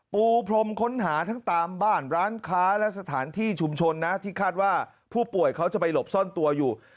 ปูพรมค้นหาทั้งตามบ้านร้านค้าและสถานที่ชุมชนนะที่คาดว่าผู้ป่วยเขาจะไปหลบซ่อนตัวอยู่